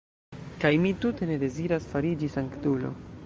Kaj mi tute ne deziras fariĝi sanktulo!